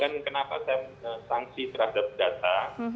saya perlu menunjukkan kenapa saya sangsi terhadap data